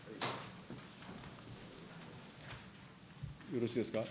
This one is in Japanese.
よろしいですか。